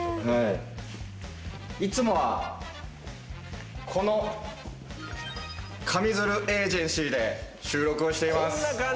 「いつもはこの上水流エージェンシーで収録をしています」